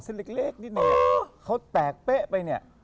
เส้นเล็กนิดหน่อยเขาแตกเป๊ะไป